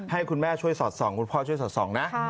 ให้คุณแม่ช่วยสอดส่องคุณพ่อช่วยสอดส่องนะ